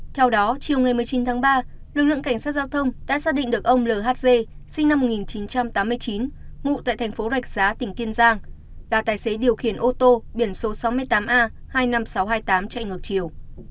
theo đó chiều một mươi chín tháng ba lực lượng cảnh sát giao thông đã xác định được ông lg sinh năm một nghìn chín trăm tám mươi chín ngụ tại thành phố rạch giá tỉnh kiên giang là tài xế điều khiển ô tô biển số sáu mươi tám a hai mươi năm nghìn sáu trăm hai mươi tám chạy ngược chiều